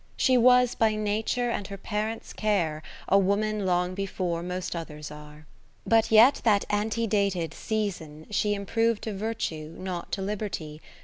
20 She was by Nature and her parents' care, A woman long before most others are. But yet that antedated season she Improv'd to Virtue, not to Liberty.